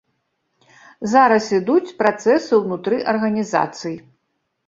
Зараз ідуць працэсы ўнутры арганізацый.